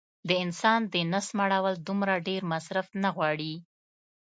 د انسان د نس مړول دومره ډېر مصرف نه غواړي